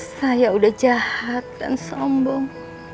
saya udah jahat dan sombong